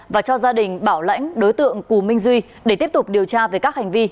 và cho gia đình bảo lãnh đối tượng cù minh duy để tiếp tục điều tra về các hành vi